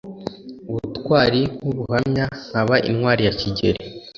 Ubutwali nkabuhamya nkaba intwali ya Kigeli.